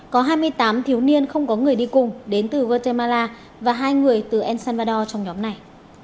có hai mươi tám thiếu niên không có người đi cùng đến từ guatemala và hai người từ el salvador trong nhóm này